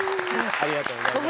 ありがとうございます。